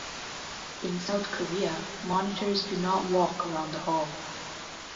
In South Korea, monitors do not walk around the hall.